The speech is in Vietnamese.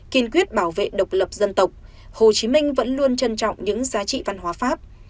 kiên quyết bảo vệ độc lập dân tộc hồ chí minh vẫn luôn trân trọng những giá trị văn hóa pháp